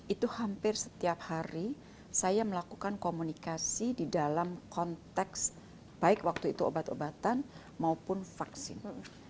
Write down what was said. itu hampir setiap hari saya melakukan komunikasi di dalam konteks baik waktu itu obat obatan maupun vaksin